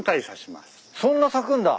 そんな咲くんだ。